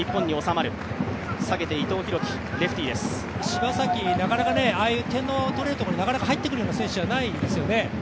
柴崎、なかなかああいう点の取れるところになかなか入ってくる選手じゃないですよね。